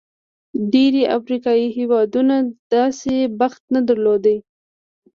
ډېری افریقايي هېوادونو داسې بخت نه درلود.